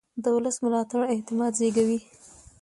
د ولس ملاتړ اعتماد زېږوي